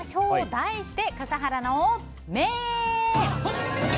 題して、笠原の眼！